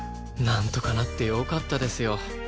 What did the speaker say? なんとかなってよかったですよ。